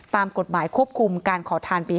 ตามกฎหมายควบคุมการขอทานปี